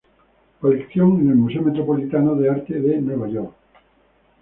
Colección en el Museo Metropolitano de Arte de Nueva York.